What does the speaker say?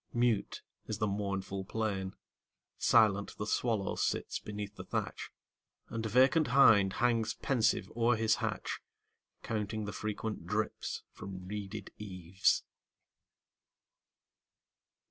Mute is the mournful plain; Silent the swallow sits beneath the thatch, And vacant hind hangs pensive o'er his hatch, Counting the frequent drips from reeded eaves.